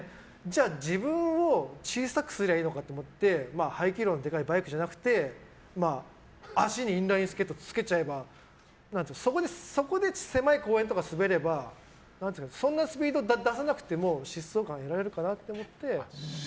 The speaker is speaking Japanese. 自分を小さくすればいいのかと思って排気量のでかいバイクじゃなくて足にインラインスケート着けちゃえばそこで狭い公園とか滑ればそんなスピード出さなくても疾走感得られるかなと思って。